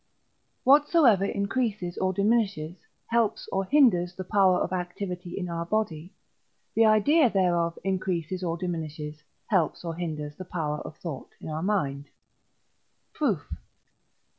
PROP. XI. Whatsoever increases or diminishes, helps or hinders the power of activity in our body, the idea thereof increases or diminishes, helps or hinders the power of thought in our mind. Proof.